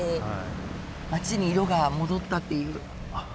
街に色が戻ったっていう。